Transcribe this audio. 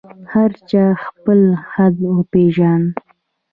هر چا خپل حد وپېژاند.